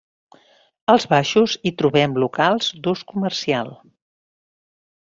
Als baixos hi trobem locals d'ús comercial.